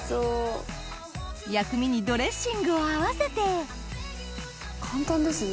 薬味にドレッシングを合わせて簡単ですね